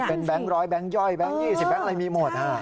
เป็นแบงค์ร้อยแบงค์ย่อยแบงค์ยี่สิบแบงค์อะไรมีหมด